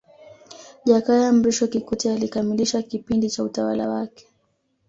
Jakaya Mrisho Kikwete alikamilisha kipindi cha utawala wake